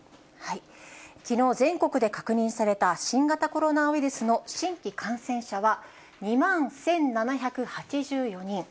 きのう全国で確認された新型コロナウイルスの新規感染者は、２万１７８４人。